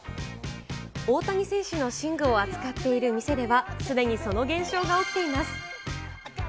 大谷選手の寝具を扱っている店では、すでにその現象が起きています。